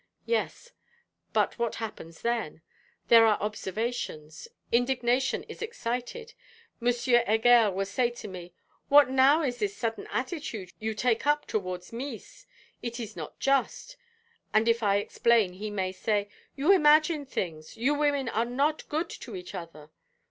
Yes, but what happens then? There are observations, indignation is excited. M. Heger will say to me, 'What now is this sudden attitude you take up towards Mees? it is not just.' And if I explain, he may say: 'You imagine things; you women are not good to each other.'